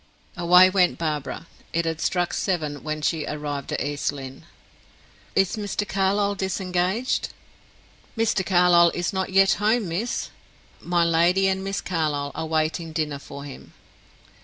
Away went Barbara. It had struck seven when she arrived at East Lynne. "Is Mr. Carlyle disengaged?" "Mr. Carlyle is not yet home, miss. My lady and Miss Carlyle are waiting dinner for him."